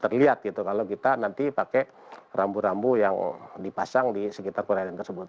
sehingga bisa lebih terlihat kalau kita nanti pakai rambu rambu yang dipasang di sekitar perairan tersebut